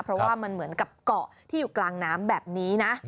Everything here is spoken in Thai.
เพราะว่ามันเหมือนกับเกาะที่อยู่กลางน้ำแบบนี้นะ